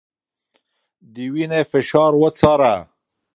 د وينې فشار وڅاره